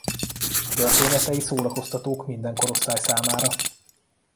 Történetei szórakoztatók minden korosztály számára.